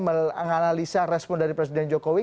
menganalisa respon dari presiden jokowi